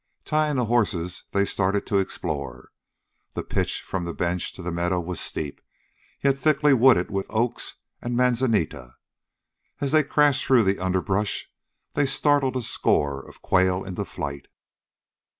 Tying the horses, they started to explore. The pitch from the bench to the meadow was steep yet thickly wooded with oaks and manzanita. As they crashed through the underbrush they startled a score of quail into flight.